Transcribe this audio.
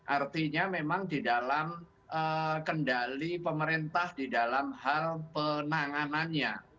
artinya memang di dalam kendali pemerintah di dalam hal penanganannya